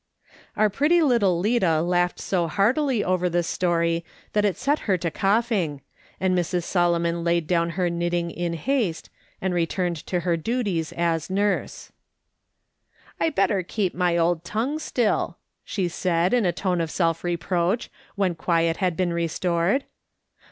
Our pretty little Lida laughed so heartily over this story that it set her to coughing, and Mrs. *' AUNTIE ALWAYS SEES THINGS." 187 Solomon laid dowu her knittiug in haste, and re turned to her duties as nurse. " I'd better keep my old tongue still," she said, in a tone of self reproach, when quiet had been restored.